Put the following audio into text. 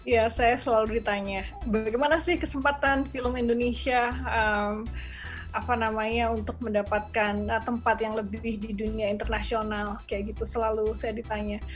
ya saya selalu ditanya bagaimana sih kesempatan film indonesia apa namanya untuk mendapatkan tempat yang lebih di dunia internasional kayak gitu selalu saya ditanya